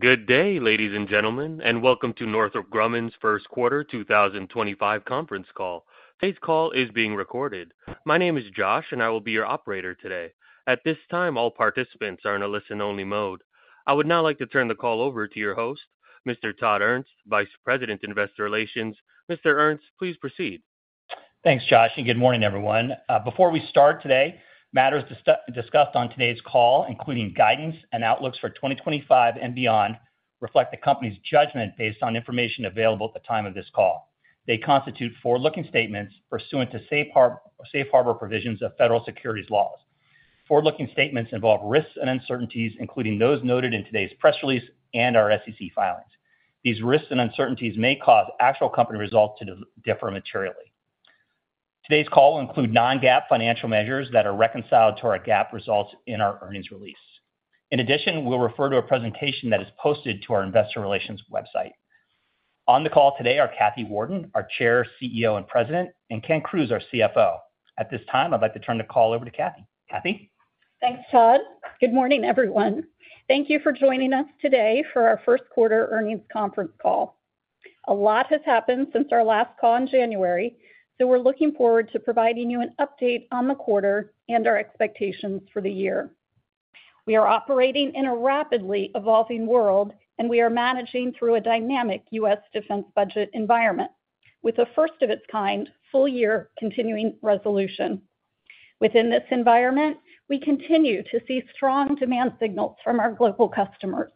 Good day, ladies and gentlemen, and welcome to Northrop Grumman's First Quarter 2025 Conference Call. Today's call is being recorded. My name is Josh, and I will be your operator today. At this time, all participants are in a listen-only mode. I would now like to turn the call over to your host, Mr. Todd Ernst, Vice President, Investor Relations. Mr. Ernst, please proceed. Thanks, Josh, and good morning, everyone. Before we start today, matters discussed on today's call, including guidance and outlooks for 2025 and beyond, reflect the company's judgment based on information available at the time of this call. They constitute forward-looking statements pursuant to Safe Harbor provisions of Federal Securities Laws. Forward-looking statements involve risks and uncertainties, including those noted in today's press release and our SEC filings. These risks and uncertainties may cause actual company results to differ materially. Today's call will include non-GAAP financial measures that are reconciled to our GAAP results in our earnings release. In addition, we'll refer to a presentation that is posted to our Investor Relations website. On the call today are Kathy Warden, our Chair, CEO, and President, and Ken Crews, our CFO. At this time, I'd like to turn the call over to Kathy. Kathy. Thanks, Todd. Good morning, everyone. Thank you for joining us today for our First Quarter Earnings Conference Call. A lot has happened since our last call in January, so we're looking forward to providing you an update on the quarter and our expectations for the year. We are operating in a rapidly evolving world, and we are managing through a dynamic U.S. Defense budget environment with a first-of-its-kind full-year continuing resolution. Within this environment, we continue to see strong demand signals from our global customers,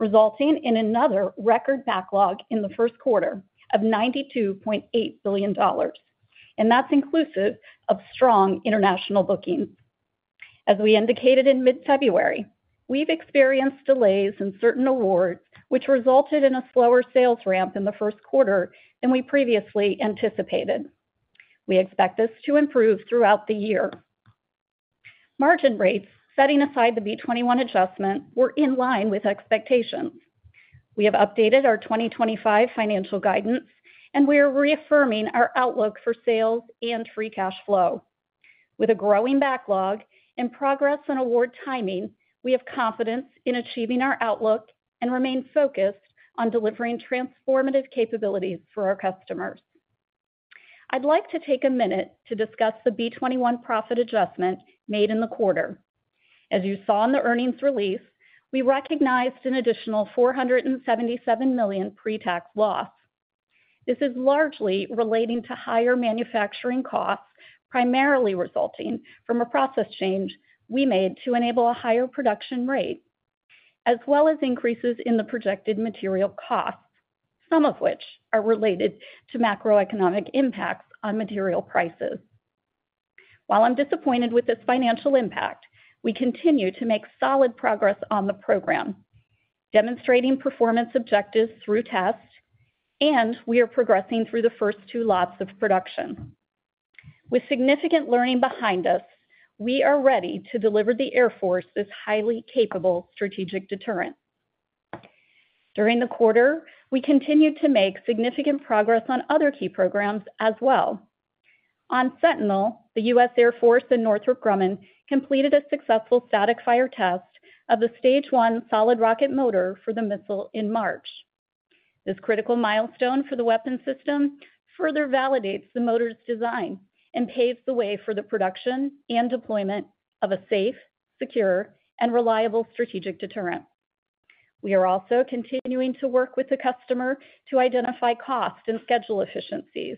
resulting in another record backlog in the first quarter of $92.8 billion, and that's inclusive of strong international bookings. As we indicated in mid-February, we've experienced delays in certain awards, which resulted in a slower sales ramp in the first quarter than we previously anticipated. We expect this to improve throughout the year. Margin rates, setting aside the B-21 adjustment, were in line with expectations. We have updated our 2025 financial guidance, and we are reaffirming our outlook for sales and free cash flow. With a growing backlog and progress in award timing, we have confidence in achieving our outlook and remain focused on delivering transformative capabilities for our customers. I'd like to take a minute to discuss the B-21 profit adjustment made in the quarter. As you saw in the earnings release, we recognized an additional $477 million pre-tax loss. This is largely relating to higher manufacturing costs, primarily resulting from a process change we made to enable a higher production rate, as well as increases in the projected material costs, some of which are related to macroeconomic impacts on material prices. While I'm disappointed with this financial impact, we continue to make solid progress on the program, demonstrating performance objectives through test, and we are progressing through the first two lots of production. With significant learning behind us, we are ready to deliver the Air Force's highly capable strategic deterrent. During the quarter, we continue to make significant progress on other key programs as well. On Sentinel, the U.S. Air Force and Northrop Grumman completed a successful static fire test of the stage-one solid rocket motor for the Missile in March. This critical milestone for the Weapon System further validates the motor's design and paves the way for the production and deployment of a safe, secure, and reliable strategic deterrent. We are also continuing to work with the customer to identify cost and schedule efficiencies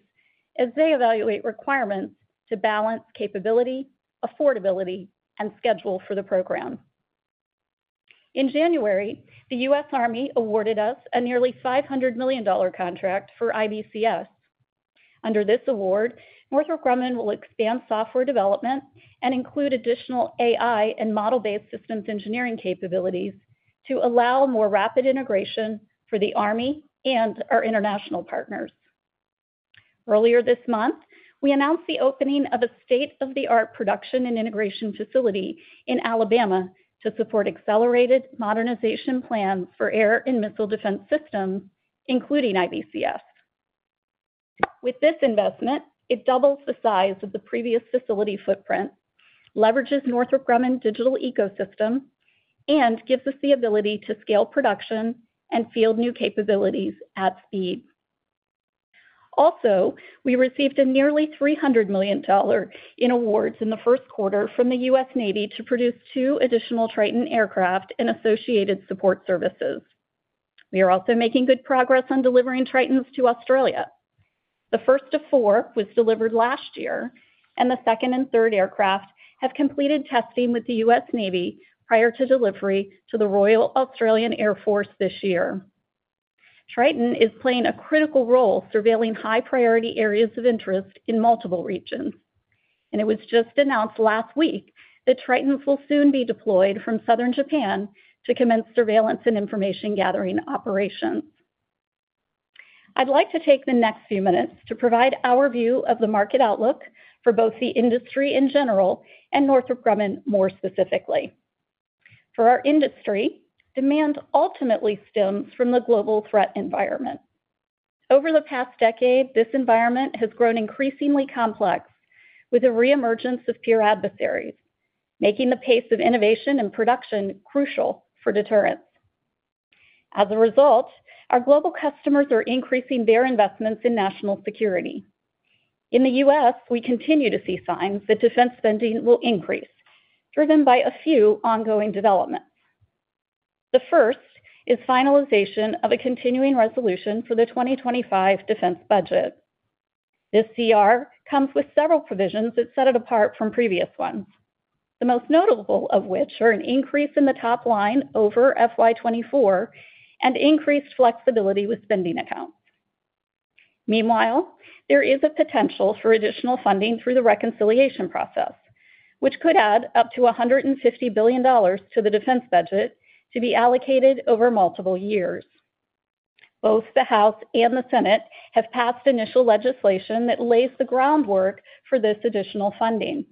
as they evaluate requirements to balance capability, affordability, and schedule for the program. In January, the U.S. Army awarded us a nearly $500 million contract for IBCS. Under this award, Northrop Grumman will expand software development and include additional AI and model-based systems engineering capabilities to allow more rapid integration for the Army and our international partners. Earlier this month, we announced the opening of a state-of-the-art production and integration facility in Alabama to support accelerated modernization plans for Air and Missile Defense Systems, including IBCS. With this investment, it doubles the size of the previous facility footprint, leverages Northrop Grumman's digital ecosystem, and gives us the ability to scale production and field new capabilities at speed. Also, we received nearly $300 million in awards in the first quarter from the U.S. Navy to produce two additional Triton aircraft and associated support services. We are also making good progress on delivering Tritons to Australia. The first of four was delivered last year, and the second and third aircraft have completed testing with the U.S. Navy prior to delivery to the Royal Australian Air Force this year. Triton is playing a critical role surveilling high-priority areas of interest in multiple regions, and it was just announced last week that Tritons will soon be deployed from southern Japan to commence surveillance and information gathering operations. I'd like to take the next few minutes to provide our view of the market outlook for both the industry in general and Northrop Grumman more specifically. For our industry, demand ultimately stems from the global threat environment. Over the past decade, this environment has grown increasingly complex with the reemergence of peer adversaries, making the pace of innovation and production crucial for deterrence. As a result, our global customers are increasing their investments in national security. In the U.S., we continue to see signs that defense spending will increase, driven by a few ongoing developments. The first is finalization of a Continuing Resolution for the 2025 defense budget. This CR comes with several provisions that set it apart from previous ones, the most notable of which are an increase in the top line over FY24 and increased flexibility with spending accounts. Meanwhile, there is a potential for additional funding through the reconciliation process, which could add up to $150 billion to the defense budget to be allocated over multiple years. Both the House and the Senate have passed initial legislation that lays the groundwork for this additional funding.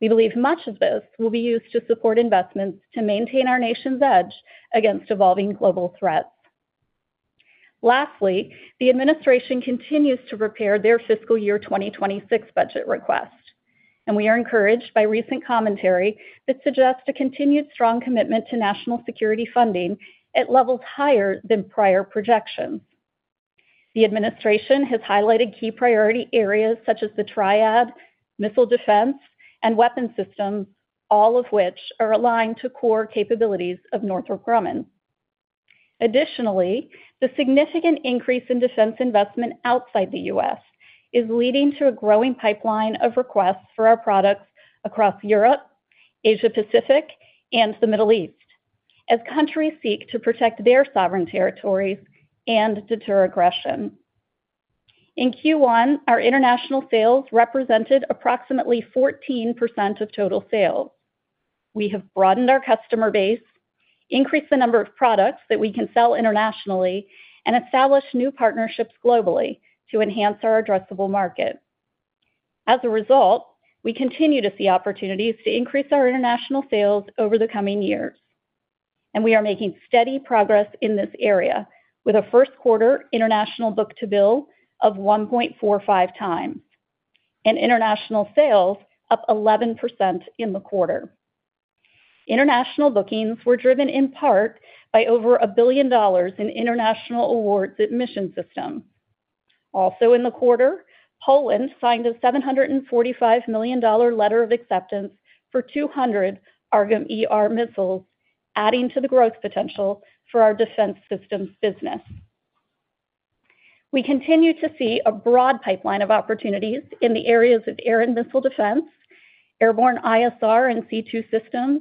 We believe much of this will be used to support investments to maintain our nation's edge against evolving global threats. Lastly, the administration continues to prepare their fiscal year 2026 budget request, and we are encouraged by recent commentary that suggests a continued strong commitment to national security funding at levels higher than prior projections. The administration has highlighted key priority areas such as the Triad, Missile Defense, and Weapons Systems, all of which are aligned to core capabilities of Northrop Grumman. Additionally, the significant increase in defense investment outside the U.S. is leading to a growing pipeline of requests for our products across Europe, Asia-Pacific, and the Middle East as countries seek to protect their sovereign territories and deter aggression. In Q1, our international sales represented approximately 14% of total sales. We have broadened our customer base, increased the number of products that we can sell internationally, and established new partnerships globally to enhance our addressable market. As a result, we continue to see opportunities to increase our international sales over the coming years, and we are making steady progress in this area with a first quarter international book-to-bill of 1.45 times and international sales up 11% in the quarter. International bookings were driven in part by over $1 billion in international awards in Mission Systems. Also in the quarter, Poland signed a $745 million letter of acceptance for 200 AARGM-ER missiles, adding to the growth potential for our Defense Systems business. We continue to see a broad pipeline of opportunities in the areas of Air and Missile Defense, Airborne ISR and C2 systems,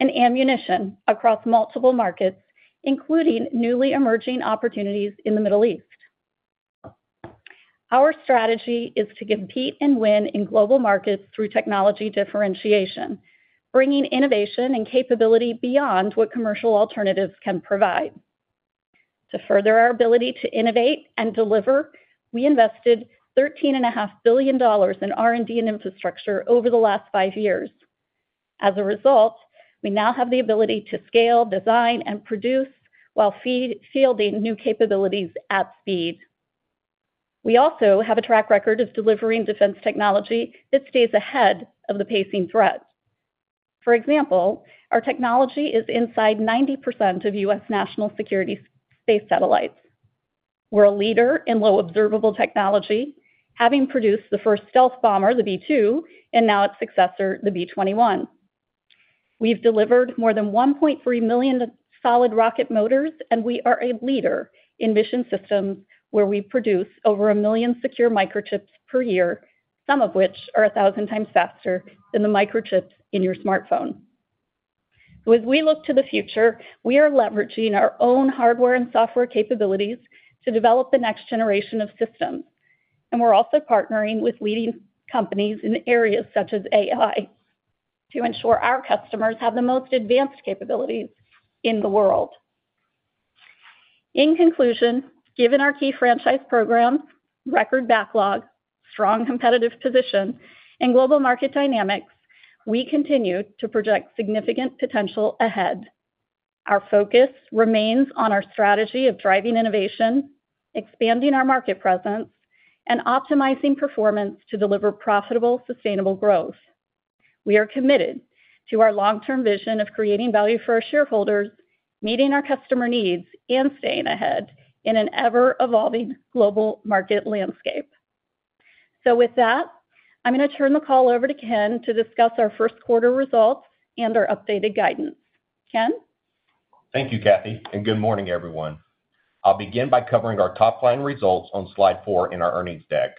and Ammunition across multiple markets, including newly emerging opportunities in the Middle East. Our strategy is to compete and win in global markets through technology differentiation, bringing innovation and capability beyond what commercial alternatives can provide. To further our ability to innovate and deliver, we invested $13.5 billion in R&D and infrastructure over the last five years. As a result, we now have the ability to scale, design, and produce while fielding new capabilities at speed. We also have a track record of delivering defense technology that stays ahead of the pacing threats. For example, our technology is inside 90% of U.S. National Security space satellites. We're a leader in low-observable technology, having produced the first stealth bomber, the B-2, and now its successor, the B-21. We've delivered more than 1.3 million Solid Rocket Motors, and we are a leader in Mission Systems where we produce over a million secure microchips per year, some of which are 1,000 times faster than the microchips in your smartphone. As we look to the future, we are leveraging our own hardware and software capabilities to develop the next generation of systems, and we're also partnering with leading companies in areas such as AI to ensure our customers have the most advanced capabilities in the world. In conclusion, given our key franchise programs, record backlog, strong competitive position, and global market dynamics, we continue to project significant potential ahead. Our focus remains on our strategy of driving innovation, expanding our market presence, and optimizing performance to deliver profitable, sustainable growth. We are committed to our long-term vision of creating value for our shareholders, meeting our customer needs, and staying ahead in an ever-evolving global market landscape. With that, I'm going to turn the call over to Ken to discuss our first quarter results and our updated guidance. Ken. Thank you, Kathy, and good morning, everyone. I'll begin by covering our top line results on slide four in our earnings deck.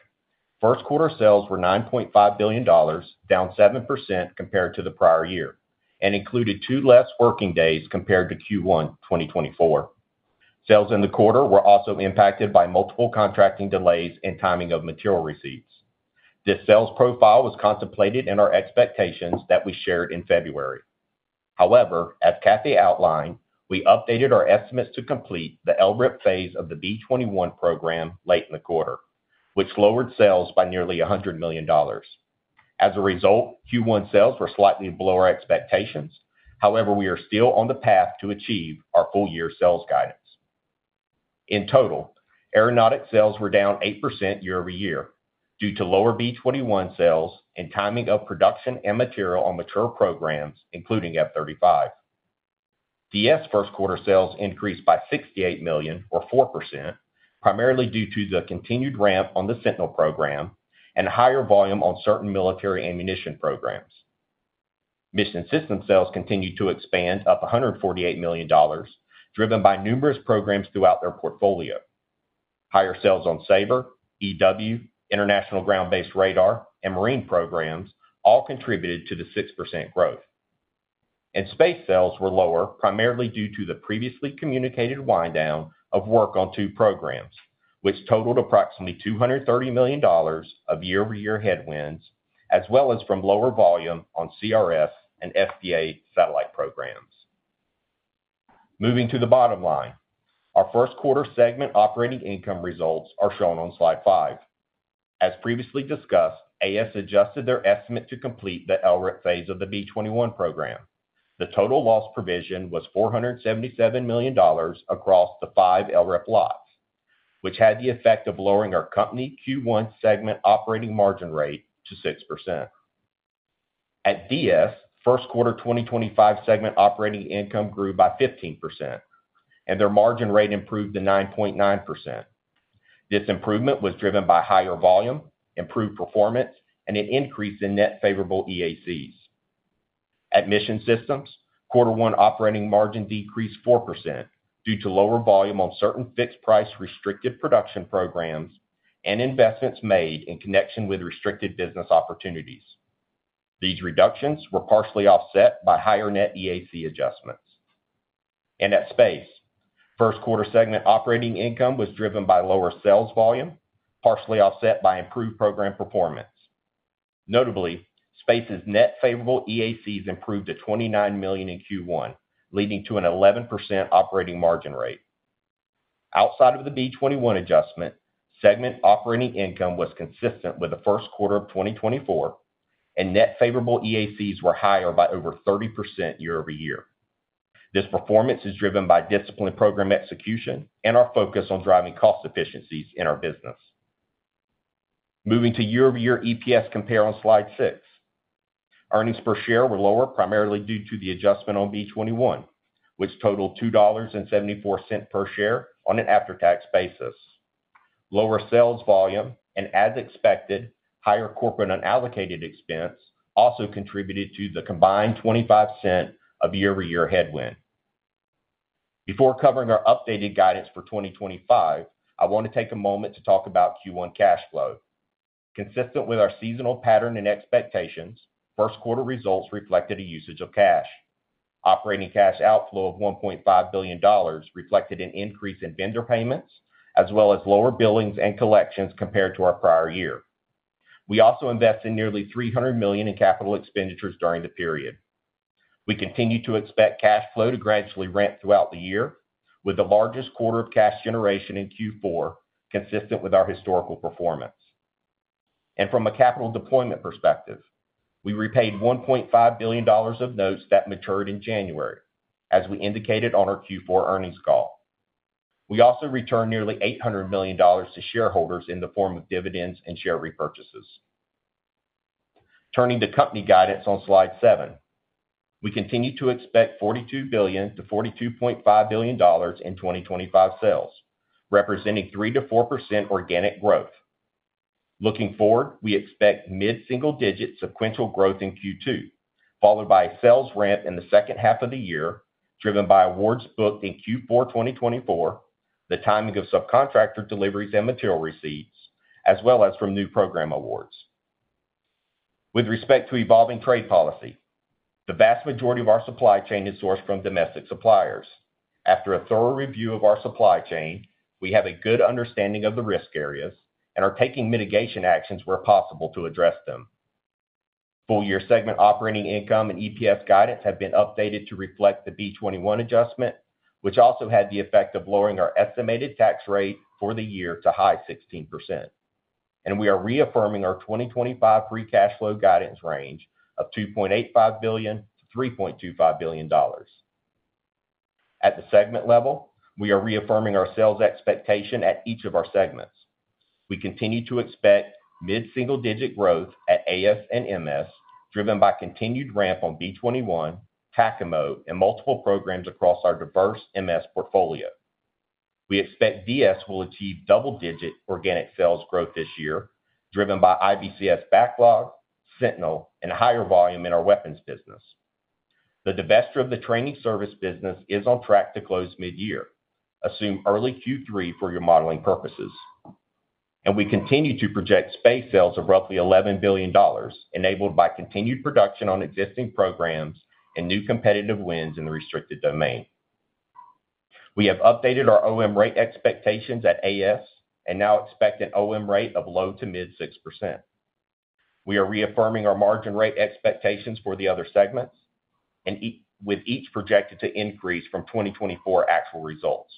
First quarter sales were $9.5 billion, down 7% compared to the prior year, and included two less working days compared to Q1 2024. Sales in the quarter were also impacted by multiple contracting delays and timing of material receipts. This sales profile was contemplated in our expectations that we shared in February. However, as Kathy outlined, we updated our estimates to complete the LRIP phase of the B-21 program late in the quarter, which lowered sales by nearly $100 million. As a result, Q1 sales were slightly below our expectations. However, we are still on the path to achieve our full-year sales guidance. In total, aeronautics sales were down 8% year-over-year due to lower B-21 sales and timing of production and material on mature programs, including F-35. DS first quarter sales increased by $68 million, or 4%, primarily due to the continued ramp on the Sentinel program and higher volume on certain Military Ammunition Programs. Mission Systems sales continued to expand, up $148 million, driven by numerous programs throughout their portfolio. Higher sales on SABR, EW, International Ground-Based Radar, and Marine programs all contributed to the 6% growth. Space sales were lower, primarily due to the previously communicated wind down of work on two programs, which totaled approximately $230 million of year-over-year headwinds, as well as from lower volume on CRS and SDA satellite programs. Moving to the bottom line, our first quarter segment operating income results are shown on slide five. As previously discussed, AS adjusted their estimate to complete the LRIP phase of the B-21 program. The total loss provision was $477 million across the five LRIP lots, which had the effect of lowering our company Q1 segment operating margin rate to 6%. At DS, first quarter 2025 segment operating income grew by 15%, and their margin rate improved to 9.9%. This improvement was driven by higher volume, improved performance, and an increase in net favorable EACs. At Mission Systems, quarter one operating margin decreased 4% due to lower volume on certain fixed-price restricted production programs and investments made in connection with restricted business opportunities. These reductions were partially offset by higher net EAC adjustments. At Space, first quarter segment operating income was driven by lower sales volume, partially offset by improved program performance. Notably, Space's net favorable EACs improved to $29 million in Q1, leading to an 11% operating margin rate. Outside of the B-21 adjustment, segment operating income was consistent with the first quarter of 2024, and net favorable EACs were higher by over 30% year-over-year. This performance is driven by discipline program execution and our focus on driving cost efficiencies in our business. Moving to year-over-year EPS compare on slide six. Earnings per share were lower primarily due to the adjustment on B-21, which totaled $2.74 per share on an after-tax basis. Lower sales volume and, as expected, higher corporate unallocated expense also contributed to the combined 25% of year-over-year headwind. Before covering our updated guidance for 2025, I want to take a moment to talk about Q1 cash flow. Consistent with our seasonal pattern and expectations, first quarter results reflected a usage of cash. Operating cash outflow of $1.5 billion reflected an increase in vendor payments, as well as lower billings and collections compared to our prior year. We also invested nearly $300 million in capital expenditures during the period. We continue to expect cash flow to gradually ramp throughout the year, with the largest quarter of cash generation in Q4 consistent with our historical performance. From a capital deployment perspective, we repaid $1.5 billion of notes that matured in January, as we indicated on our Q4 earnings call. We also returned nearly $800 million to shareholders in the form of dividends and share repurchases. Turning to company guidance on slide seven, we continue to expect $42 billion-$42.5 billion in 2025 sales, representing 3%-4% organic growth. Looking forward, we expect mid-single-digit sequential growth in Q2, followed by sales ramp in the second half of the year, driven by awards booked in Q4 2024, the timing of subcontractor deliveries and material receipts, as well as from new program awards. With respect to evolving trade policy, the vast majority of our supply chain is sourced from domestic suppliers. After a thorough review of our supply chain, we have a good understanding of the risk areas and are taking mitigation actions where possible to address them. Full-year segment operating income and EPS guidance have been updated to reflect the B-21 adjustment, which also had the effect of lowering our estimated tax rate for the year to high 16%. We are reaffirming our 2025 free cash flow guidance range of $2.85 billion-$3.25 billion. At the segment level, we are reaffirming our sales expectation at each of our segments. We continue to expect mid-single-digit growth at AS and MS, driven by continued ramp on B-21, TACAMO, and multiple programs across our diverse MS portfolio. We expect DS will achieve double-digit organic sales growth this year, driven by IBCS backlog, Sentinel, and higher volume in our Weapons business. The divestiture of the Training service business is on track to close mid-year. Assume early Q3 for your modeling purposes. We continue to project Space sales of roughly $11 billion, enabled by continued production on existing programs and new competitive wins in the restricted domain. We have updated our OM rate expectations at AS and now expect an OM rate of low to mid 6%. We are reaffirming our margin rate expectations for the other segments, with each projected to increase from 2024 actual results.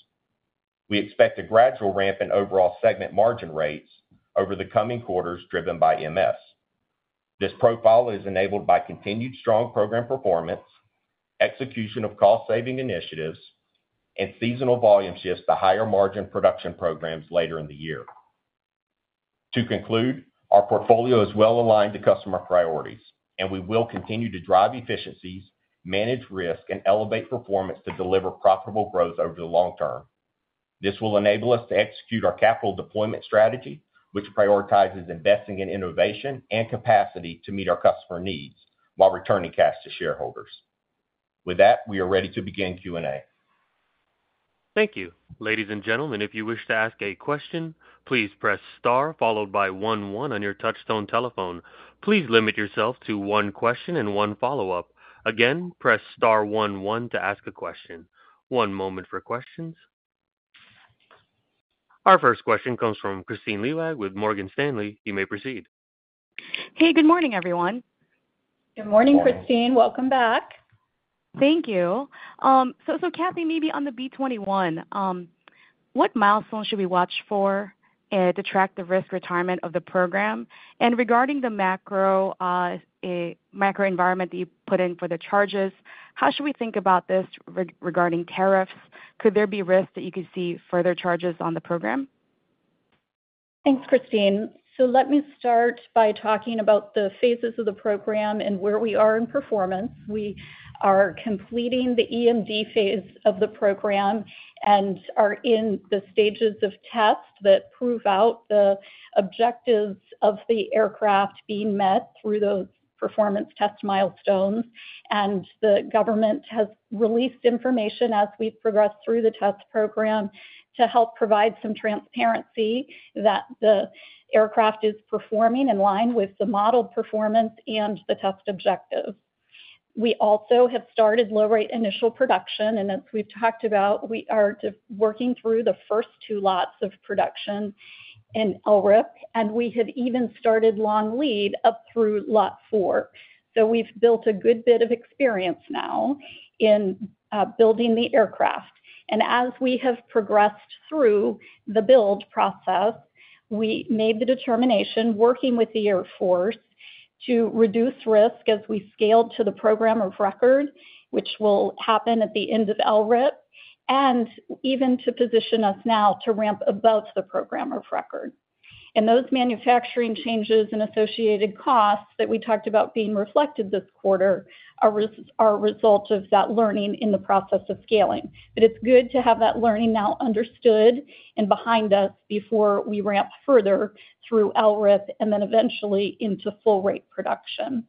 We expect a gradual ramp in overall segment margin rates over the coming quarters, driven by MS. This profile is enabled by continued strong program performance, execution of cost-saving initiatives, and seasonal volume shifts to higher margin production programs later in the year. To conclude, our portfolio is well aligned to customer priorities, and we will continue to drive efficiencies, manage risk, and elevate performance to deliver profitable growth over the long term. This will enable us to execute our capital deployment strategy, which prioritizes investing in innovation and capacity to meet our customer needs while returning cash to shareholders. With that, we are ready to begin Q&A. Thank you. Ladies and gentlemen, if you wish to ask a question, please press star followed by one one on your touch-tone telephone. Please limit yourself to one question and one follow-up. Again, press star one one to ask a question. One moment for questions. Our first question comes from Kristine Liwag with Morgan Stanley. You may proceed. Hey, good morning, everyone. Good morning, Kristine. Welcome back. Thank you. Kathy, maybe on the B-21, what milestones should we watch for to track the risk retirement of the program? Regarding the macro environment that you put in for the charges, how should we think about this regarding tariffs? Could there be risks that you could see further charges on the program? Thanks, Kristine. Let me start by talking about the phases of the program and where we are in performance. We are completing the EMD phase of the program and are in the stages of tests that prove out the objectives of the aircraft being met through those performance test milestones. The government has released information as we've progressed through the test program to help provide some transparency that the aircraft is performing in line with the model performance and the test objectives. We also have started low-rate initial production, and as we've talked about, we are working through the first two lots of production in LRIP, and we have even started long lead up through lot four. We've built a good bit of experience now in building the aircraft. As we have progressed through the build process, we made the determination, working with the Air Force, to reduce risk as we scaled to the program of record, which will happen at the end of LRIP, and even to position us now to ramp above the program of record. Those manufacturing changes and associated costs that we talked about being reflected this quarter are a result of that learning in the process of scaling. It is good to have that learning now understood and behind us before we ramp further through LRIP and then eventually into full-rate production.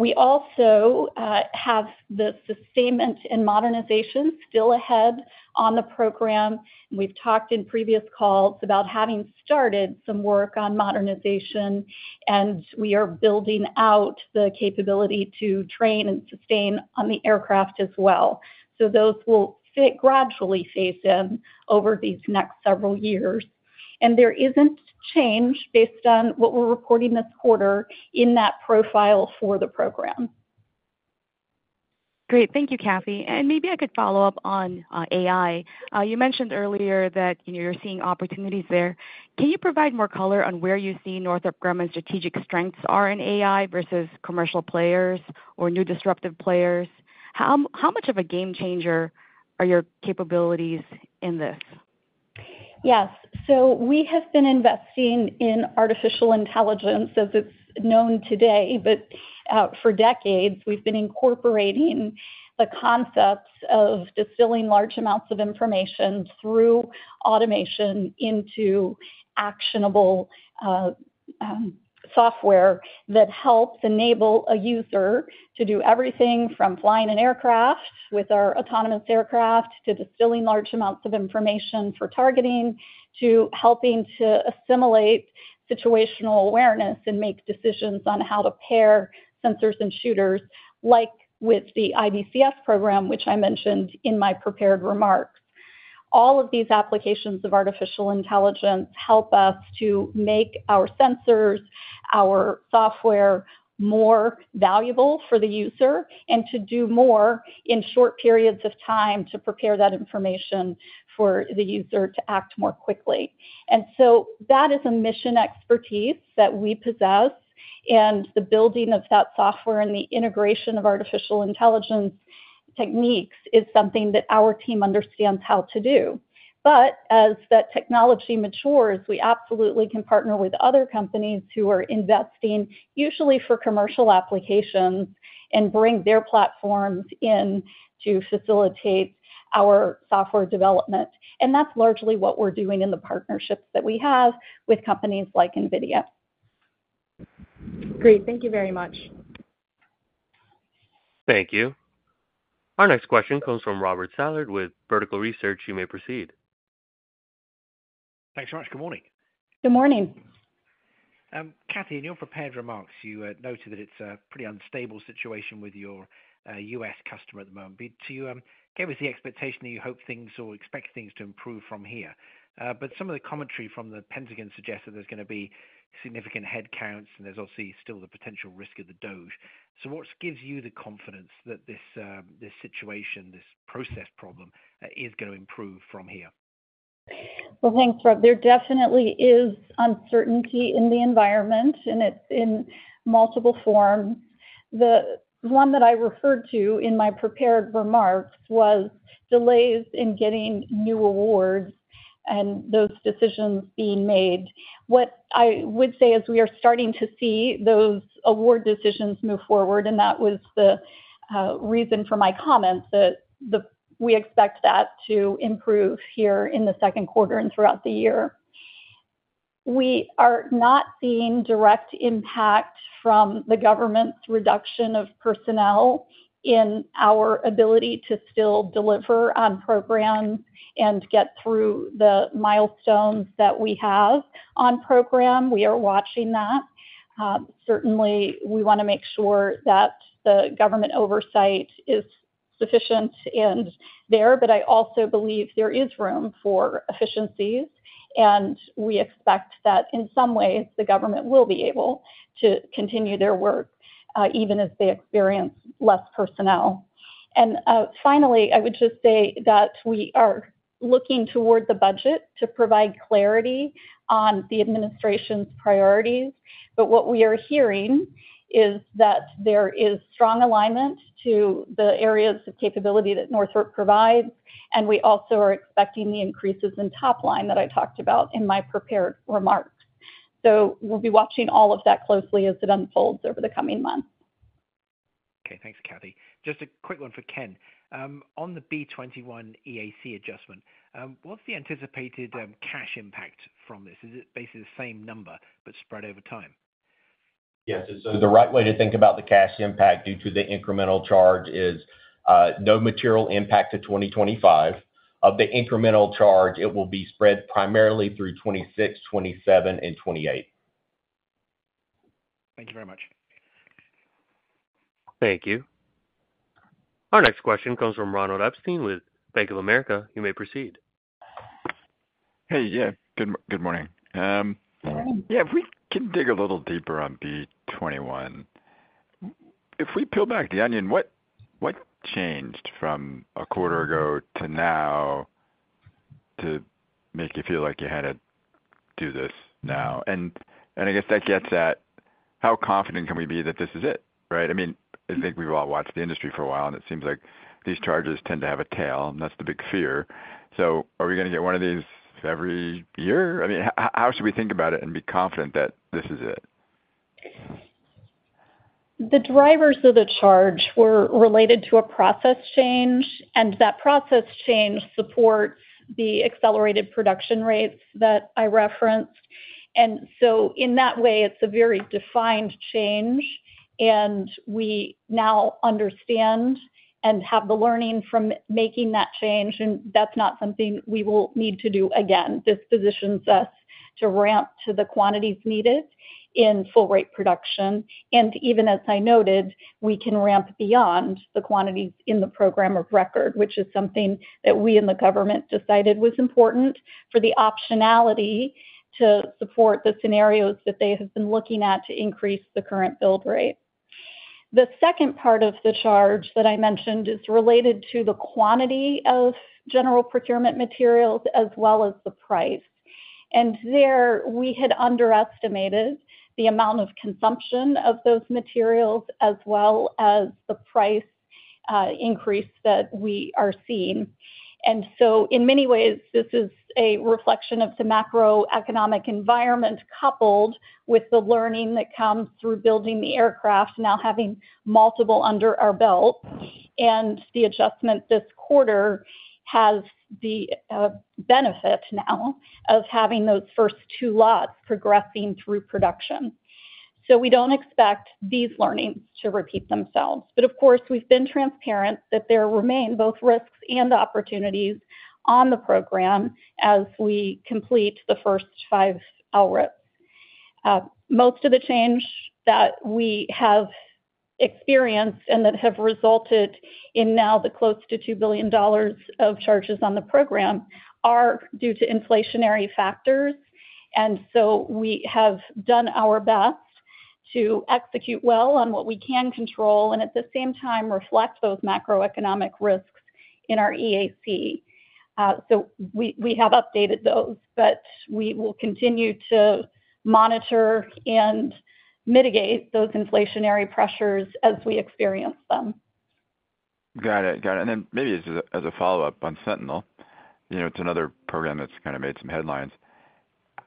We also have the sustainment and modernization still ahead on the program. We have talked in previous calls about having started some work on modernization, and we are building out the capability to train and sustain on the aircraft as well. Those will gradually phase in over these next several years. There is not change based on what we are reporting this quarter in that profile for the program. Great. Thank you, Kathy. Maybe I could follow up on AI. You mentioned earlier that you're seeing opportunities there. Can you provide more color on where you see Northrop Grumman's strategic strengths are in AI versus commercial players or new disruptive players? How much of a game changer are your capabilities in this? Yes. We have been investing in artificial intelligence as it's known today. But for decades, we've been incorporating the concepts of distilling large amounts of information through automation into actionable software that helps enable a user to do everything. From flying an aircraft with our autonomous aircraft to distilling large amounts of information for targeting to helping to assimilate situational awareness and make decisions on how to pair sensors and shooters, like with the IBCS program, which I mentioned in my prepared remarks. All of these applications of artificial intelligence help us to make our sensors, our software more valuable for the user, and to do more in short periods of time to prepare that information for the user to act more quickly. That is a mission expertise that we possess, and the building of that software and the integration of artificial intelligence techniques is something that our team understands how to do. As that technology matures, we absolutely can partner with other companies who are investing, usually for commercial applications, and bring their platforms in to facilitate our software development. That is largely what we are doing in the partnerships that we have with companies like NVIDIA. Great. Thank you very much. Thank you. Our next question comes from Robert Stallard with Vertical Research. You may proceed. Thanks much. Good morning. Good morning. Kathy, in your prepared remarks, you noted that it's a pretty unstable situation with your U.S. customer at the moment. You gave us the expectation that you hope things or expect things to improve from here. Some of the commentary from the Pentagon suggests that there's going to be significant headcounts, and there's obviously still the potential risk of the DOGE. What gives you the confidence that this situation, this process problem, is going to improve from here? Thanks, Rob. There definitely is uncertainty in the environment, and it's in multiple forms. The one that I referred to in my prepared remarks was delays in getting new awards and those decisions being made. What I would say is we are starting to see those award decisions move forward, and that was the reason for my comment that we expect that to improve here in the second quarter and throughout the year. We are not seeing direct impact from the government's reduction of personnel in our ability to still deliver on program and get through the milestones that we have on program. We are watching that. Certainly, we want to make sure that the government oversight is sufficient and there, but I also believe there is room for efficiencies, and we expect that in some ways the government will be able to continue their work even as they experience less personnel. I would just say that we are looking toward the budget to provide clarity on the administration's priorities, but what we are hearing is that there is strong alignment to the areas of capability that Northrop provides, and we also are expecting the increases in top line that I talked about in my prepared remarks. We will be watching all of that closely as it unfolds over the coming months. Okay. Thanks, Kathy. Just a quick one for Ken. On the B-21 EAC adjustment, what's the anticipated cash impact from this? Is it basically the same number, but spread over time? Yes. The right way to think about the cash impact due to the incremental charge is no material impact to 2025. Of the incremental charge, it will be spread primarily through 2026, 2027, and 2028. Thank you very much. Thank you. Our next question comes from Ronald Epstein with Bank of America. You may proceed. Hey, yeah. Good morning. If we can dig a little deeper on B-21, if we peel back the onion, what changed from a quarter ago to now to make you feel like you had to do this now? I guess that gets at how confident can we be that this is it, right? I mean, I think we've all watched the industry for a while, and it seems like these charges tend to have a tail, and that's the big fear. Are we going to get one of these every year? I mean, how should we think about it and be confident that this is it? The drivers of the charge were related to a process change, and that process change supports the accelerated production rates that I referenced. In that way, it's a very defined change, and we now understand and have the learning from making that change, and that's not something we will need to do again. This positions us to ramp to the quantities needed in full-rate production. Even as I noted, we can ramp beyond the quantities in the program of record, which is something that we in the government decided was important for the optionality to support the scenarios that they have been looking at to increase the current build rate. The second part of the charge that I mentioned is related to the quantity of general procurement materials as well as the price. We had underestimated the amount of consumption of those materials as well as the price increase that we are seeing. In many ways, this is a reflection of the macroeconomic environment coupled with the learning that comes through building the aircraft, now having multiple under our belt. The adjustment this quarter has the benefit now of having those first two lots progressing through production. We do not expect these learnings to repeat themselves. Of course, we have been transparent that there remain both risks and opportunities on the program as we complete the first five LRIPs. Most of the change that we have experienced and that have resulted in now the close to $2 billion of charges on the program are due to inflationary factors. We have done our best to execute well on what we can control and at the same time reflect those macroeconomic risks in our EAC. We have updated those, but we will continue to monitor and mitigate those inflationary pressures as we experience them. Got it. Got it. Maybe as a follow-up on Sentinel, it's another program that's kind of made some headlines.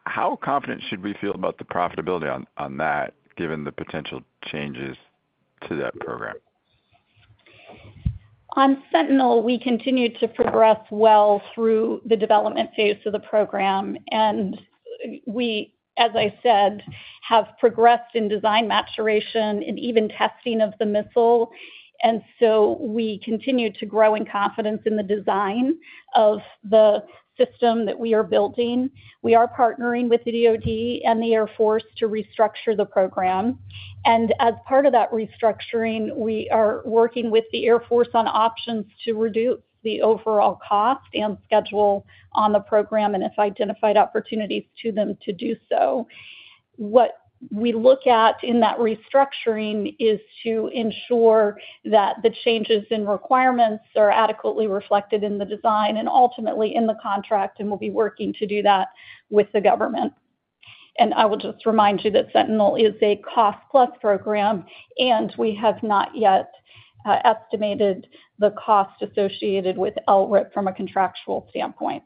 How confident should we feel about the profitability on that given the potential changes to that program? On Sentinel, we continue to progress well through the development phase of the program. We, as I said, have progressed in design maturation and even testing of the missile. We continue to grow in confidence in the design of the system that we are building. We are partnering with the DOD and the Air Force to restructure the program. As part of that restructuring, we are working with the Air Force on options to reduce the overall cost and schedule on the program and have identified opportunities to them to do so. What we look at in that restructuring is to ensure that the changes in requirements are adequately reflected in the design and ultimately in the contract, and we will be working to do that with the government. I will just remind you that Sentinel is a cost-plus program, and we have not yet estimated the cost associated with LRIP from a contractual standpoint.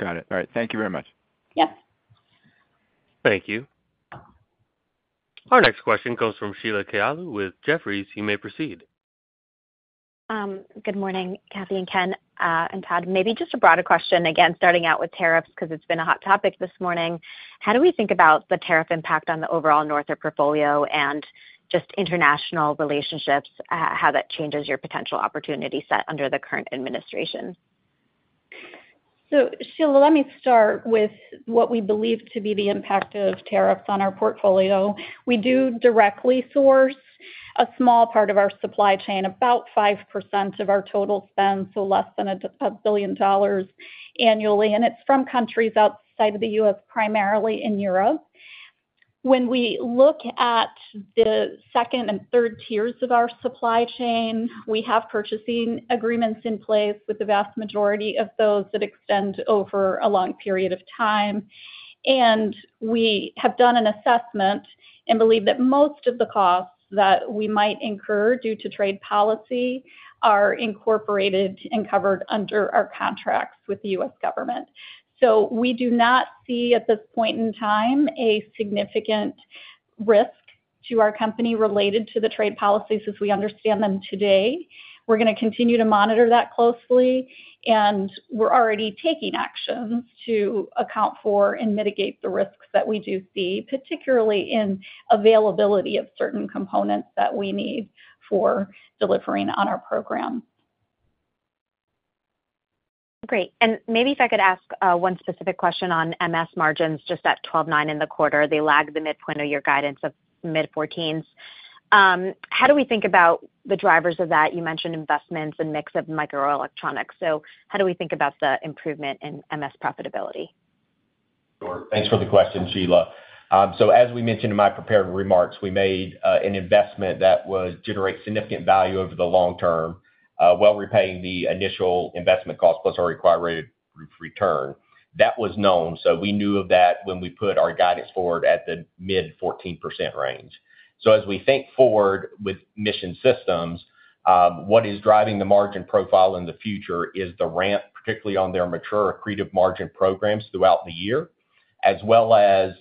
Got it. All right. Thank you very much. Yes. Thank you. Our next question comes from Sheila Kahyaoglu with Jefferies. You may proceed. Good morning, Kathy and Ken and Todd. Maybe just a broader question, again, starting out with tariffs because it's been a hot topic this morning. How do we think about the tariff impact on the overall Northrop portfolio and just international relationships, how that changes your potential opportunity set under the current administration? Sheila, let me start with what we believe to be the impact of tariffs on our portfolio. We do directly source a small part of our supply chain, about 5% of our total spend, so less than $1 billion annually, and it is from countries outside of the U.S., primarily in Europe. When we look at the second and third tiers of our supply chain, we have purchasing agreements in place with the vast majority of those that extend over a long period of time. We have done an assessment and believe that most of the costs that we might incur due to trade policy are incorporated and covered under our contracts with the U.S. government. We do not see at this point in time a significant risk to our company related to the trade policies as we understand them today. We're going to continue to monitor that closely, and we're already taking actions to account for and mitigate the risks that we do see, particularly in availability of certain components that we need for delivering on our program. Great. Maybe if I could ask one specific question on MS margins just at 12.9% in the quarter, they lag the mid-point of your guidance of mid-14s. How do we think about the drivers of that? You mentioned investments and mix of microelectronics. How do we think about the improvement in MS profitability? Sure. Thanks for the question, Sheila. As we mentioned in my prepared remarks, we made an investment that would generate significant value over the long term, well repaying the initial investment cost plus our required rate of return. That was known, so we knew of that when we put our guidance forward at the mid-14% range. As we think forward with Mission Systems, what is driving the margin profile in the future is the ramp, particularly on their mature accretive margin programs throughout the year, as well as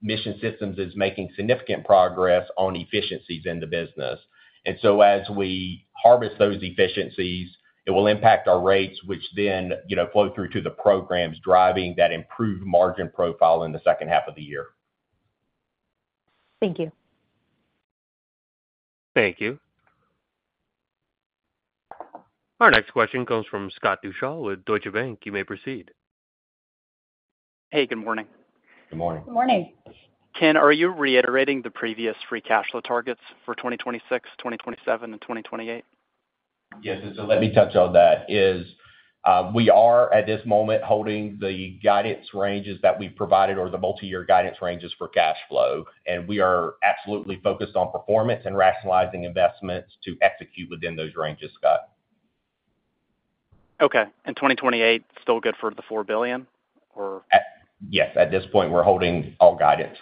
Mission Systems is making significant progress on efficiencies in the business. As we harvest those efficiencies, it will impact our rates, which then flow through to the programs driving that improved margin profile in the second half of the year. Thank you. Thank you. Our next question comes from Scott Deuschle with Deutsche Bank. You may proceed. Hey, good morning. Good morning. Good morning. Ken, are you reiterating the previous free cash flow targets for 2026, 2027, and 2028? Yes. Let me touch on that. We are at this moment holding the guidance ranges that we've provided or the multi-year guidance ranges for cash flow, and we are absolutely focused on performance and rationalizing investments to execute within those ranges, Scott. Okay. 2028 still good for the $4 billion, or? Yes. At this point, we're holding all guidance. Okay.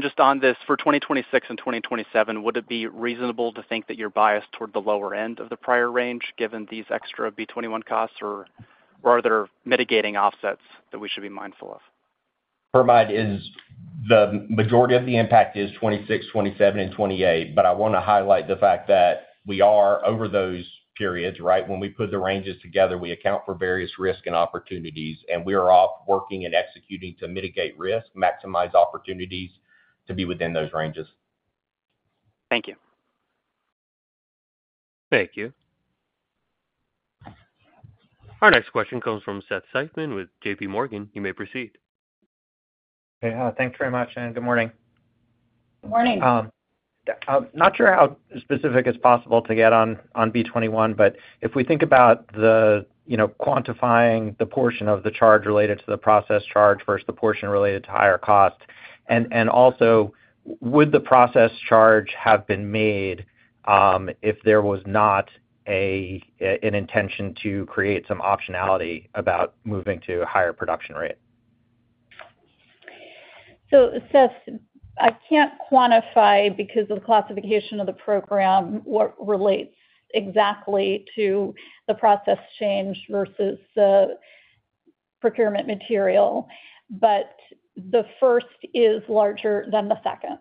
Just on this, for 2026 and 2027, would it be reasonable to think that you're biased toward the lower end of the prior range given these extra B-21 costs, or are there mitigating offsets that we should be mindful of? The majority of the impact is 2026, 2027, and 2028, but I want to highlight the fact that we are over those periods, right? When we put the ranges together, we account for various risk and opportunities, and we are off working and executing to mitigate risk, maximize opportunities to be within those ranges. Thank you. Thank you. Our next question comes from Seth Seifman with JPMorgan. You may proceed. Hey, thanks very much, and good morning. Good morning. Not sure how specific it's possible to get on B-21, but if we think about quantifying the portion of the charge related to the process charge versus the portion related to higher cost, and also would the process charge have been made if there was not an intention to create some optionality about moving to a higher production rate? Seth, I can't quantify because of the classification of the program what relates exactly to the process change versus the procurement material, but the first is larger than the second,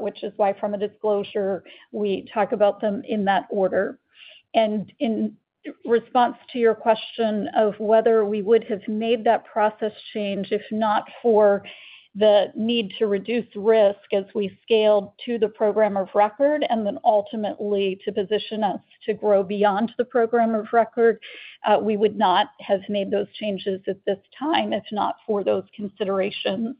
which is why from a disclosure, we talk about them in that order. In response to your question of whether we would have made that process change if not for the need to reduce risk as we scaled to the program of record and then ultimately to position us to grow beyond the program of record, we would not have made those changes at this time if not for those considerations.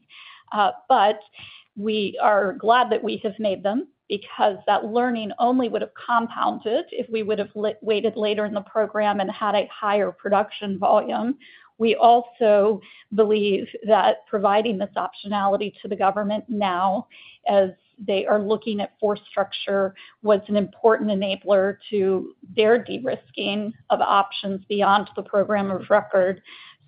We are glad that we have made them because that learning only would have compounded if we would have waited later in the program and had a higher production volume. We also believe that providing this optionality to the government now as they are looking at force structure was an important enabler to their de-risking of options beyond the program of record.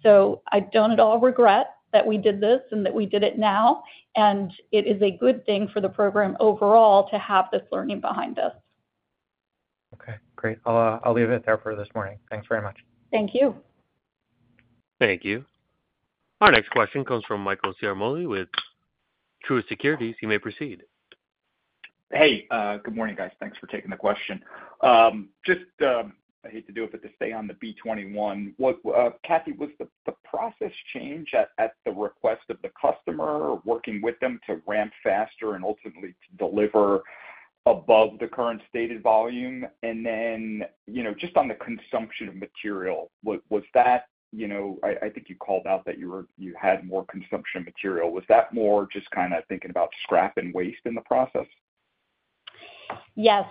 I do not at all regret that we did this and that we did it now, and it is a good thing for the program overall to have this learning behind us. Okay. Great. I'll leave it there for this morning. Thanks very much. Thank you. Thank you. Our next question comes from Michael Ciarmoli with Truist Securities. You may proceed. Hey, good morning, guys. Thanks for taking the question. I hate to do it, but to stay on the B-21, Kathy, was the process change at the request of the customer working with them to ramp faster and ultimately to deliver above the current stated volume? Just on the consumption of material, was that, I think you called out that you had more consumption of material. Was that more just kind of thinking about scrap and waste in the process? Yes.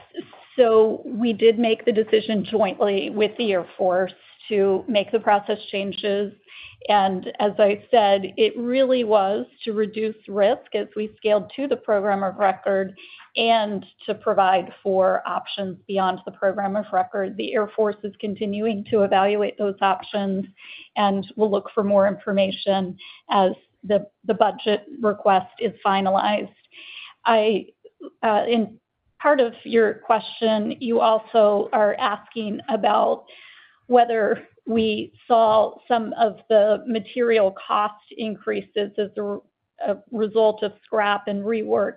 We did make the decision jointly with the Air Force to make the process changes. As I said, it really was to reduce risk as we scaled to the program of record and to provide for options beyond the program of record. The Air Force is continuing to evaluate those options and will look for more information as the budget request is finalized. In part of your question, you also are asking about whether we saw some of the material cost increases as a result of scrap and rework.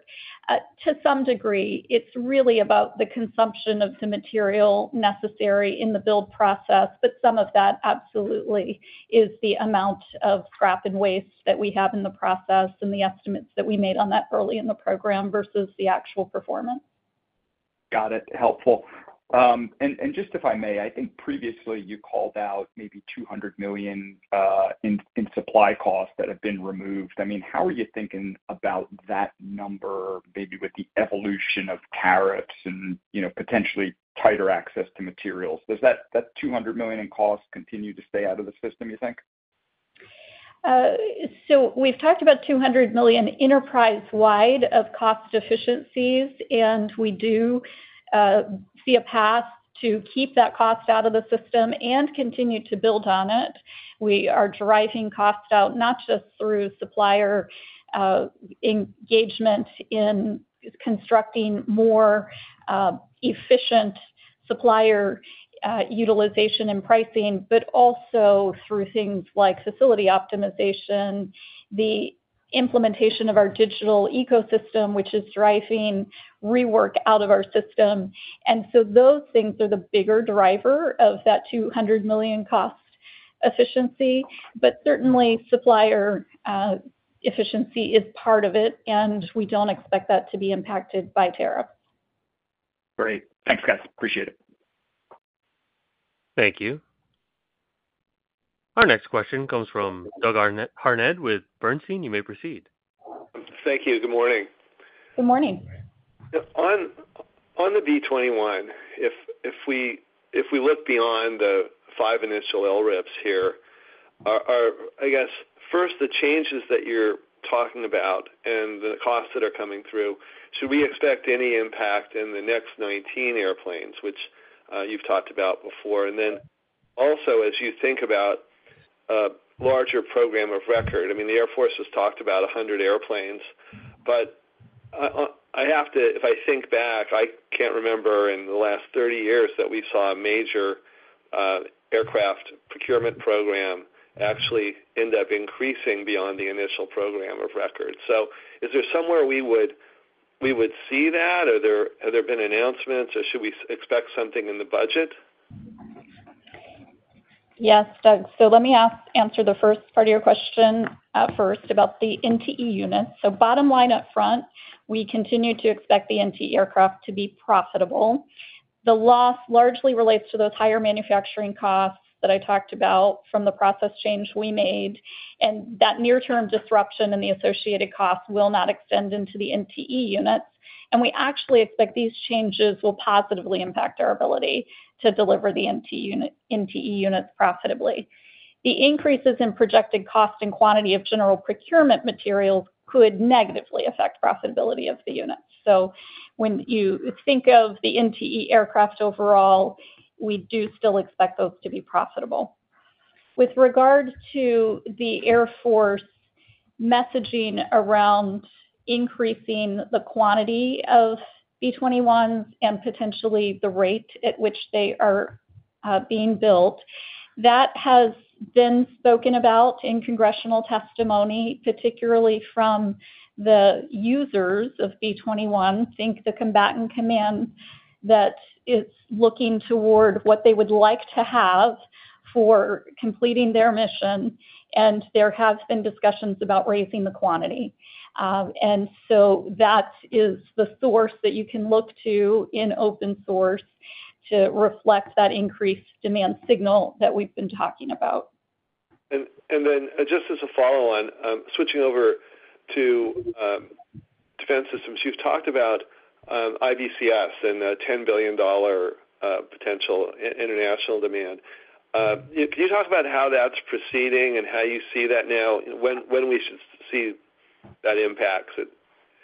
To some degree, it's really about the consumption of the material necessary in the build process, but some of that absolutely is the amount of scrap and waste that we have in the process and the estimates that we made on that early in the program versus the actual performance. Got it. Helpful. Just if I may, I think previously you called out maybe $200 million in supply costs that have been removed. I mean, how are you thinking about that number maybe with the evolution of tariffs and potentially tighter access to materials? Does that $200 million in cost continue to stay out of the system, you think? We have talked about $200 million enterprise-wide of cost efficiencies, and we do see a path to keep that cost out of the system and continue to build on it. We are driving costs out not just through supplier engagement in constructing more efficient supplier utilization and pricing, but also through things like facility optimization, the implementation of our digital ecosystem, which is driving rework out of our system. Those things are the bigger driver of that $200 million cost efficiency, but certainly supplier efficiency is part of it, and we do not expect that to be impacted by tariffs. Great. Thanks, guys. Appreciate it. Thank you. Our next question comes from Doug Harned with Bernstein. You may proceed. Thank you. Good morning. Good morning. On the B-21, if we look beyond the five initial LRIPs here, I guess first the changes that you're talking about and the costs that are coming through, should we expect any impact in the next 19 airplanes, which you've talked about before? Also, as you think about a larger program of record, I mean, the Air Force has talked about 100 airplanes, but if I think back, I can't remember in the last 30 years that we saw a major aircraft procurement program actually end up increasing beyond the initial program of record. Is there somewhere we would see that? Have there been announcements, or should we expect something in the budget? Yes, Doug. Let me answer the first part of your question first about the NTE unit. Bottom line upfront, we continue to expect the NTE aircraft to be profitable. The loss largely relates to those higher manufacturing costs that I talked about from the process change we made, and that near-term disruption and the associated costs will not extend into the NTE units. We actually expect these changes will positively impact our ability to deliver the NTE units profitably. The increases in projected cost and quantity of general procurement materials could negatively affect profitability of the units. When you think of the NTE aircraft overall, we do still expect those to be profitable. With regard to the Air Force messaging around increasing the quantity of B-21s and potentially the rate at which they are being built, that has been spoken about in congressional testimony, particularly from the users of B-21, think the Combatant Command that it's looking toward what they would like to have for completing their mission, and there have been discussions about raising the quantity. That is the source that you can look to in open source to reflect that increased demand signal that we've been talking about. Just as a follow-on, switching over to Defense systems, you've talked about IBCS and the $10 billion potential international demand. Can you talk about how that's proceeding and how you see that now? When we should see that impact?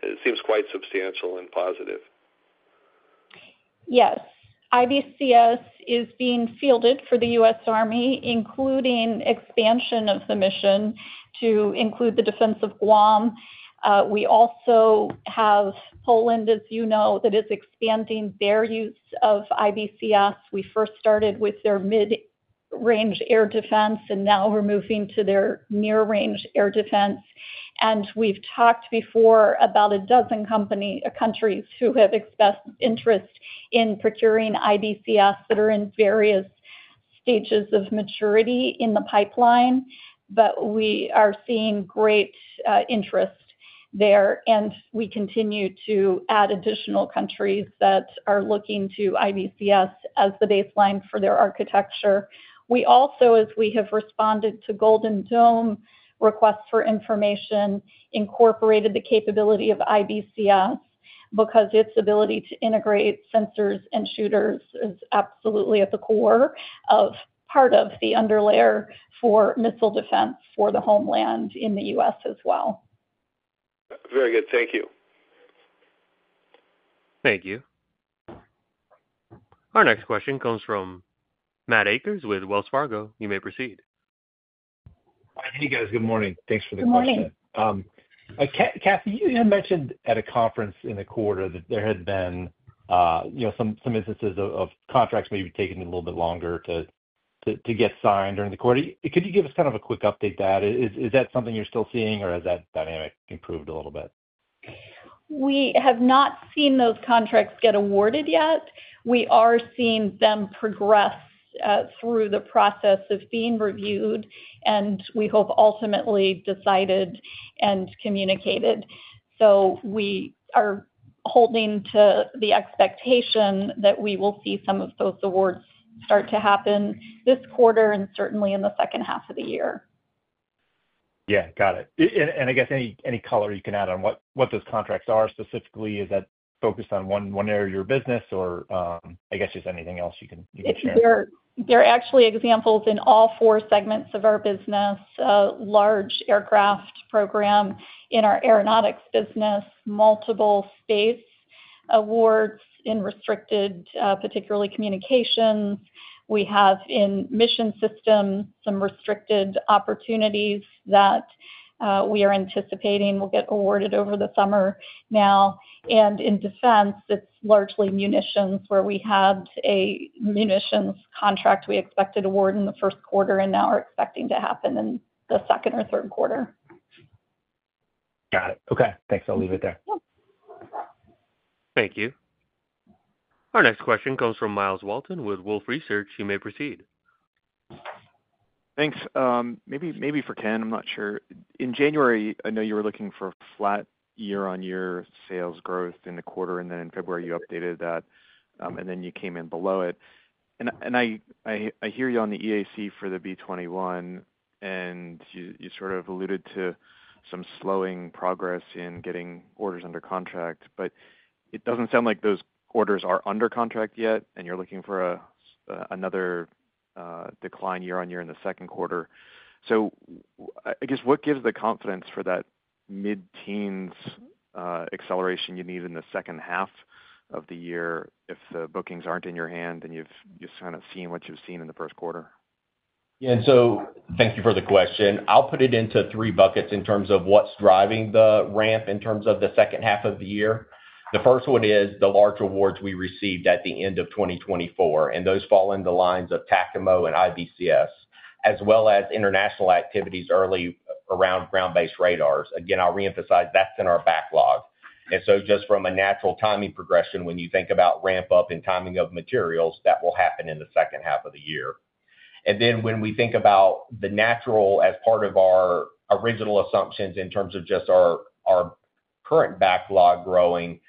It seems quite substantial and positive. Yes. IBCS is being fielded for the U.S. Army, including expansion of the mission to include the defense of Guam. We also have Poland, as you know, that is expanding their use of IBCS. We first started with their mid-range Air Defense, and now we're moving to their near-range Air Defense. We have talked before about a dozen countries who have expressed interest in procuring IBCS that are in various stages of maturity in the pipeline, but we are seeing great interest there. We continue to add additional countries that are looking to IBCS as the baseline for their architecture. We also, as we have responded to Golden Dome requests for information, incorporated the capability of IBCS because its ability to integrate sensors and shooters is absolutely at the core of part of the underlayer for Missile Defense for the homeland in the U.S. as well. Very good. Thank you. Thank you. Our next question comes from Matt Akers with Wells Fargo. You may proceed. Hey, guys. Good morning. Thanks for the question. Good morning. Kathy, you had mentioned at a conference in the quarter that there had been some instances of contracts maybe taking a little bit longer to get signed during the quarter. Could you give us kind of a quick update to that? Is that something you're still seeing, or has that dynamic improved a little bit? We have not seen those contracts get awarded yet. We are seeing them progress through the process of being reviewed, and we hope ultimately decided and communicated. We are holding to the expectation that we will see some of those awards start to happen this quarter and certainly in the second half of the year. Yeah. Got it. I guess any color you can add on what those contracts are specifically, is that focused on one area of your business, or I guess just anything else you can share? They're actually examples in all four segments of our business: large aircraft program in our Aeronautics business, multiple Space awards in restricted, particularly communications. We have in Mission Systems some restricted opportunities that we are anticipating will get awarded over the summer now. In Defense, it's largely munitions where we had a Munitions contract we expected to award in the first quarter and now are expecting to happen in the second or third quarter. Got it. Okay. Thanks. I'll leave it there. Yeah. Thank you. Our next question comes from Myles Walton with Wolfe Research. You may proceed. Thanks. Maybe for Ken, I'm not sure. In January, I know you were looking for flat year on year sales growth in the quarter, and then in February, you updated that, and then you came in below it. I hear you on the EAC for the B-21, and you sort of alluded to some slowing progress in getting orders under contract. It doesn't sound like those orders are under contract yet, and you're looking for another decline year on year in the second quarter. I guess what gives the confidence for that mid-teens acceleration you need in the second half of the year if the bookings aren't in your hand and you've just kind of seen what you've seen in the first quarter? Yeah. Thank you for the question. I'll put it into three buckets in terms of what's driving the ramp in terms of the second half of the year. The first one is the large awards we received at the end of 2024, and those fall in the lines of TACAMO and IBCS, as well as international activities early around Ground-Based Radars. Again, I'll reemphasize that's in our backlog. Just from a natural timing progression, when you think about ramp-up and timing of materials, that will happen in the second half of the year. When we think about the natural as part of our original assumptions in terms of just our current backlog growing,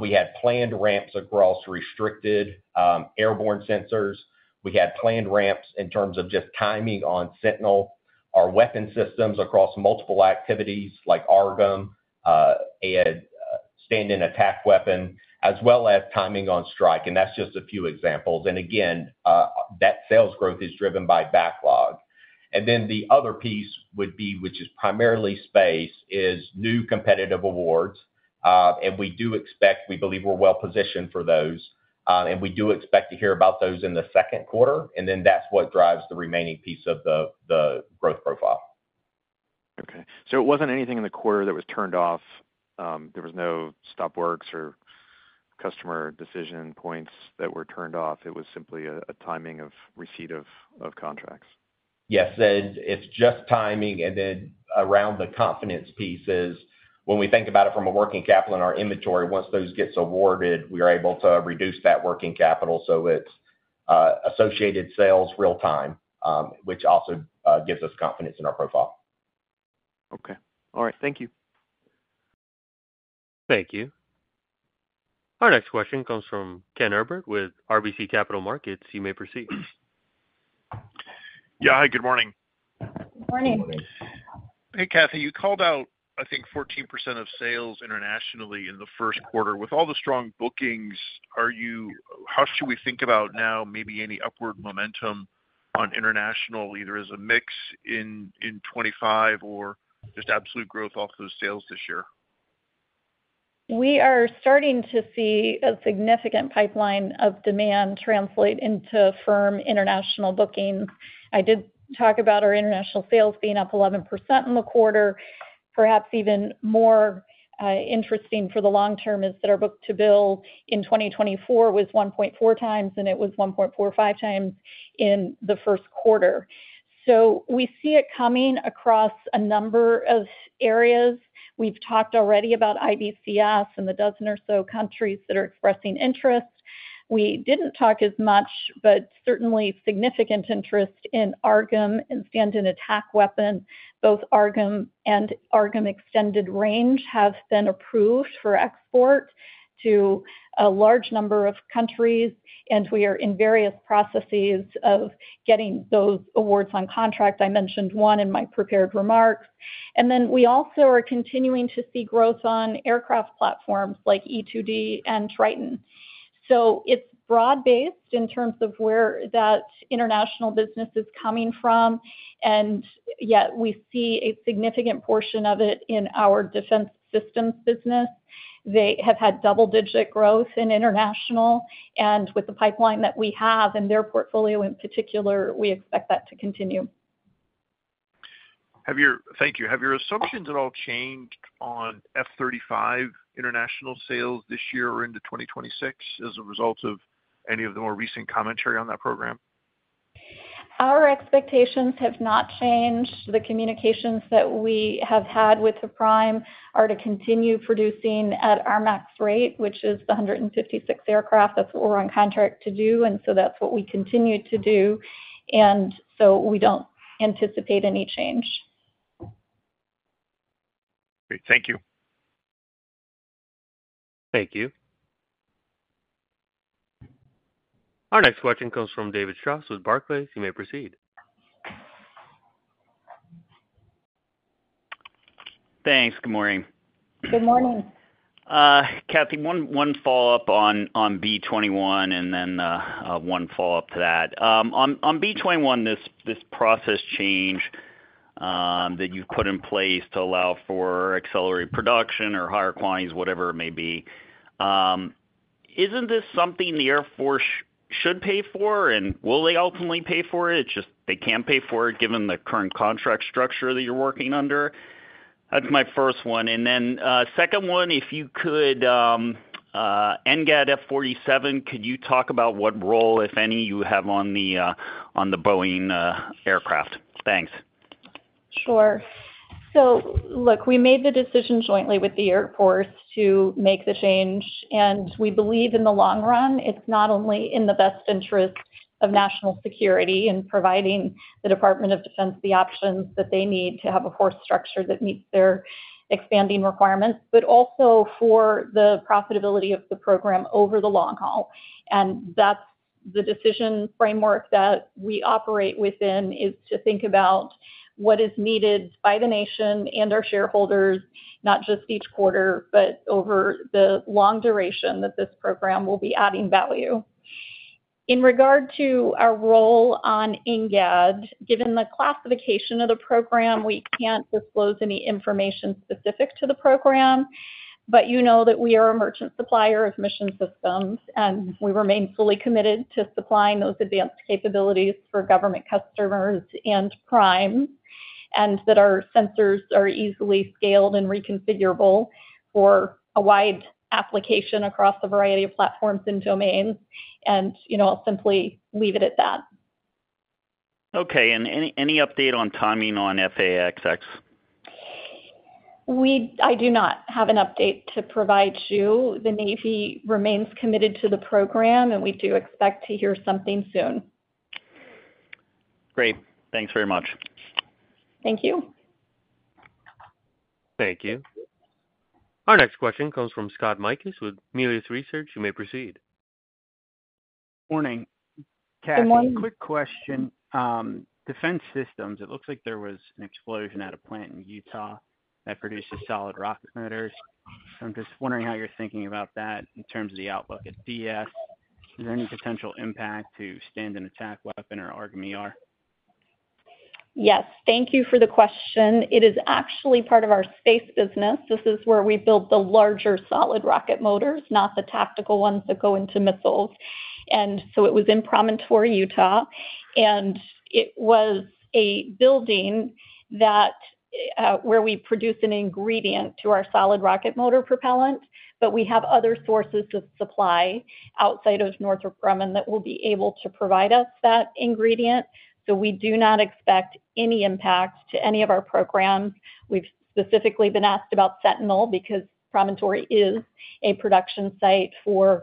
we had planned ramps across restricted airborne sensors. We had planned ramps in terms of just timing on Sentinel, our weapon systems across multiple activities like AARGM-ER, a Stand-in Attack Weapon, as well as timing on Strike. That is just a few examples. That sales growth is driven by backlog. The other piece would be, which is primarily Space, is new competitive awards. We do expect we believe we are well-positioned for those. We do expect to hear about those in the second quarter. That is what drives the remaining piece of the growth profile. Okay. It was not anything in the quarter that was turned off. There was no stop works or customer decision points that were turned off. It was simply a timing of receipt of contracts. Yes. It's just timing. And then around the confidence pieces, when we think about it from a working capital in our inventory, once those get awarded, we are able to reduce that working capital so it's associated sales real-time, which also gives us confidence in our profile. Okay. All right. Thank you. Thank you. Our next question comes from Ken Herbert with RBC Capital Markets. You may proceed. Yeah. Hi, good morning. Good morning. Hey, Kathy. You called out, I think, 14% of sales internationally in the first quarter. With all the strong bookings, how should we think about now maybe any upward momentum on international, either as a mix in 2025 or just absolute growth off those sales this year? We are starting to see a significant pipeline of demand translate into firm international bookings. I did talk about our international sales being up 11% in the quarter. Perhaps even more interesting for the long term is that our book-to-bill in 2024 was 1.4 times, and it was 1.45 times in the first quarter. We see it coming across a number of areas. We've talked already about IBCS and the dozen or so countries that are expressing interest. We did not talk as much, but certainly significant interest in AARGM and Stand-in Attack Weapon. Both AARGM and AARGM-ER have been approved for export to a large number of countries, and we are in various processes of getting those awards on contract. I mentioned one in my prepared remarks. We also are continuing to see growth on aircraft platforms like E-2D and Triton. It is broad-based in terms of where that international business is coming from, and yet we see a significant portion of it in our Defense Systems business. They have had double-digit growth in international, and with the pipeline that we have and their portfolio in particular, we expect that to continue. Thank you. Have your assumptions at all changed on F-35 international sales this year or into 2026 as a result of any of the more recent commentary on that program? Our expectations have not changed. The communications that we have had with the Prime are to continue producing at our max rate, which is the 156 aircraft. That is what we are on contract to do, and that is what we continue to do. We do not anticipate any change. Great. Thank you. Thank you. Our next question comes from David Strauss with Barclays. You may proceed. Thanks. Good morning. Good morning. Kathy, one follow-up on B-21, and then one follow-up to that. On B-21, this process change that you've put in place to allow for accelerated production or higher quantities, whatever it may be, isn't this something the Air Force should pay for, and will they ultimately pay for it? It's just they can't pay for it given the current contract structure that you're working under. That's my first one. And then second one, if you could, NGAD F-47, could you talk about what role, if any, you have on the Boeing aircraft? Thanks. Sure. Look, we made the decision jointly with the Air Force to make the change, and we believe in the long run, it's not only in the best interest of national security in providing the Department of Defense the options that they need to have a force structure that meets their expanding requirements, but also for the profitability of the program over the long haul. That's the decision framework that we operate within, to think about what is needed by the nation and our shareholders, not just each quarter, but over the long duration that this program will be adding value. In regard to our role on NGAD, given the classification of the program, we can't disclose any information specific to the program, but you know that we are a merchant supplier of Mission Systems, and we remain fully committed to supplying those advanced capabilities for government customers and Prime, and that our sensors are easily scaled and reconfigurable for a wide application across a variety of platforms and domains. I'll simply leave it at that. Okay. Any update on timing on F/A-XX? I do not have an update to provide you. The Navy remains committed to the program, and we do expect to hear something soon. Great. Thanks very much. Thank you. Thank you. Our next question comes from Scott Mikus with Melius Research. You may proceed. Morning. Kathy, quick question. Defense Systems, it looks like there was an explosion at a plant in Utah Solid Rocket Motors. I'm just wondering how you're thinking about that in terms of the outlook at DS. Is there any potential impact to Stand-in Attack Weapon or AARGM-ER? Yes. Thank you for the question. It is actually part of our Space business. This is where we build Solid Rocket Motors, not the tactical ones that go into missiles. It was in Promontory, Utah, and it was a building where we produce an ingredient to our Solid Rocket Motor propellant, but we have other sources of supply outside of Northrop Grumman that will be able to provide us that ingredient. We do not expect any impact to any of our programs. We've specifically been asked about Sentinel because Promontory is a production site for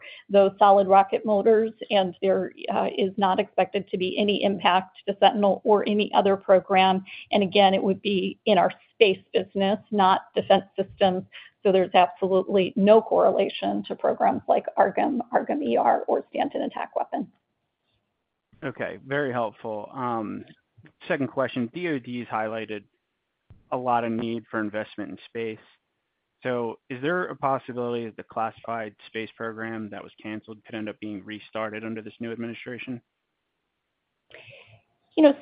Solid Rocket Motors, and there is not expected to be any impact to Sentinel or any other program. It would be in our Space business, not Defense Systems. There is absolutely no correlation to programs like AARGM, AARGM-ER, or Stand-in Attack Weapon. Okay. Very helpful. Second question. DOD has highlighted a lot of need for investment in Space. Is there a possibility that the classified Space program that was canceled could end up being restarted under this new administration?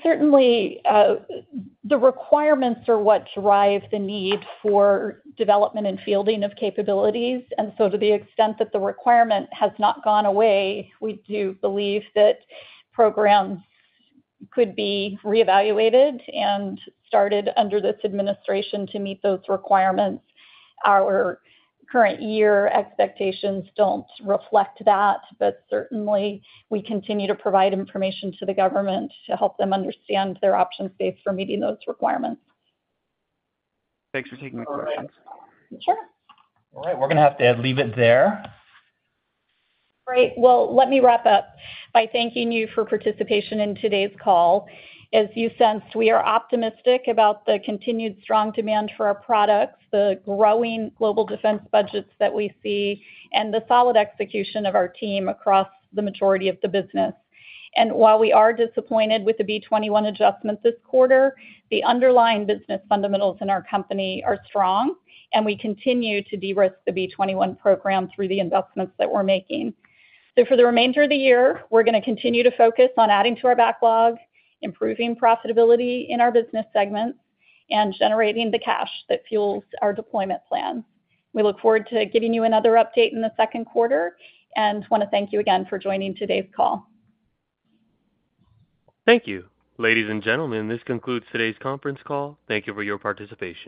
Certainly, the requirements are what drive the need for development and fielding of capabilities. To the extent that the requirement has not gone away, we do believe that programs could be reevaluated and started under this administration to meet those requirements. Our current year expectations do not reflect that, but certainly, we continue to provide information to the government to help them understand their options based for meeting those requirements. Thanks for taking the questions. Sure. All right. We're going to have to leave it there. Great. Let me wrap up by thanking you for participation in today's call. As you sense, we are optimistic about the continued strong demand for our products, the growing global defense budgets that we see, and the solid execution of our team across the majority of the business. While we are disappointed with the B-21 adjustment this quarter, the underlying business fundamentals in our company are strong, and we continue to de-risk the B-21 program through the investments that we're making. For the remainder of the year, we're going to continue to focus on adding to our backlog, improving profitability in our business segments, and generating the cash that fuels our deployment plans. We look forward to giving you another update in the second quarter and want to thank you again for joining today's call. Thank you. Ladies and gentlemen, this concludes today's conference call. Thank you for your participation.